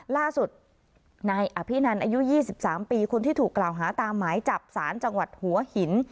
ล่าสุดนายอภินันอายุ๒๓ปีคนที่ถูกกล่าวหาตามหมายจับสารจังหวัดหัวหิน